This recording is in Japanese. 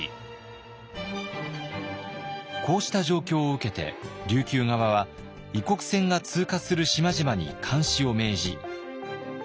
こうした状況を受けて琉球側は異国船が通過する島々に監視を命じ。